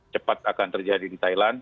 cepat akan terjadi di thailand